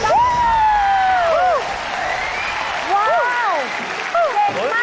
ถูกคว่าถูกคว่าถูกคว่า